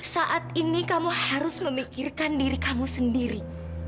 saat ini kamu harus memikirkan diri kamu sendiri